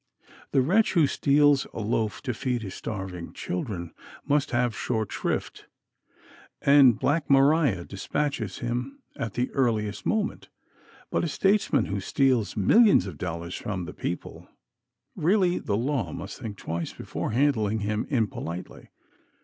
The wretch who steals a loaf to feed his starving children must have short shrift, and Black Maria despatches him at the earliest moment. But a "statesman" who steals millions of dollars from the people really the law must think twice before handling him impolitely!